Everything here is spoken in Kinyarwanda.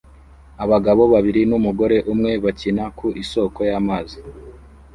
Abagabo babiri numugore umwe bakina ku isoko y'amazi